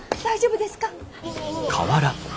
大丈夫ですか？